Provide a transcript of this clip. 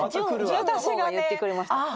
淳子の方が言ってくれました。